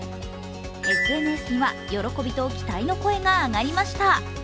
ＳＮＳには喜びと期待の声が上がりました。